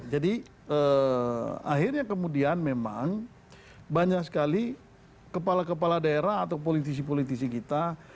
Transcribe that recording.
jadi akhirnya kemudian memang banyak sekali kepala kepala daerah atau politisi politisi kita